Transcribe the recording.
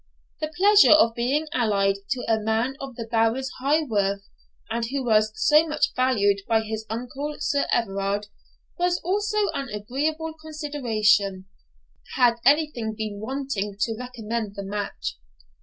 The pleasure of being allied to a man of the Baron's high worth, and who was so much valued by his uncle Sir Everard, was also an agreeable consideration, had anything been wanting to recommend the match.